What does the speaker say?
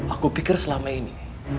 aku pikir selama ini